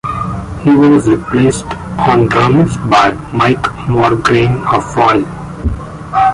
He was replaced on drums by Mike Mongrain of Foil.